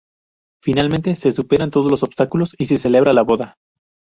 Finalmente se superan todos los obstáculos y se celebra la boda.